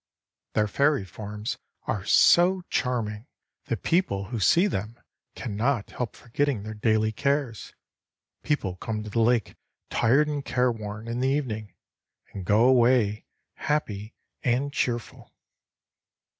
Their fairy forms are so charming that people who see them cannot help forgetting their daily cares. People come to the lake tired and careworn in the evening, and go away happy and cheerful.